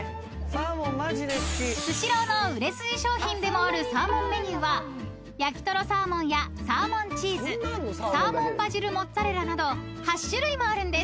［スシローの売れ筋商品でもあるサーモンメニューは焼きとろサーモンやサーモンちーずサーモンバジルモッツァレラなど８種類もあるんです］